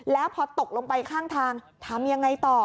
แล้วพอตกลงไปข้างทางถามยังไงต่อ